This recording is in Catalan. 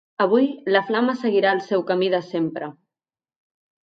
Avui, la flama seguirà el seu camí de sempre.